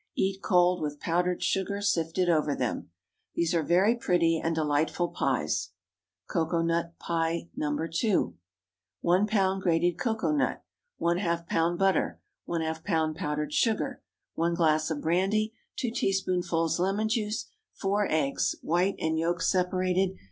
Eat cold, with powdered sugar sifted over them. These are very pretty and delightful pies. COCOA NUT PIE (No. 2.) 1 lb. grated cocoa nut. ½ lb. butter. ½ lb. powdered sugar. 1 glass of brandy. 2 teaspoonfuls lemon juice. 4 eggs—white and yolks separated.